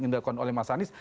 yang dilakukan oleh mas anies